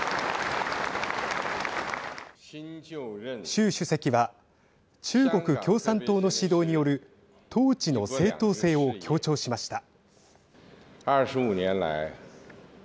習主席は中国共産党の指導による統治の正当性を強調しました。